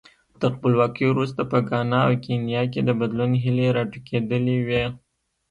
تر خپلواکۍ وروسته په ګانا او کینیا کې د بدلون هیلې راټوکېدلې وې.